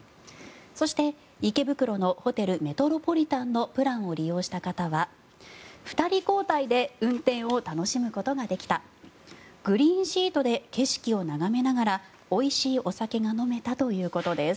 そして、池袋のホテルメトロポリタンのプランを利用した方は２人交代で運転を楽しむことができたグリーンシートで景色を眺めながらおいしいお酒が飲めたということです。